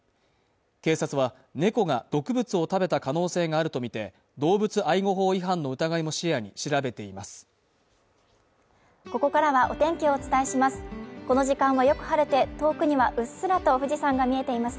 警察は猫が毒物を食べた可能性があるとみて動物愛護法違反の疑いも視野に調べています